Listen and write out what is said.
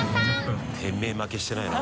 飯尾）店名負けしてないな。